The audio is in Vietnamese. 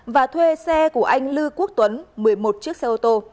và thuê xe của anh lưu quốc tuấn một mươi một chiếc xe ô tô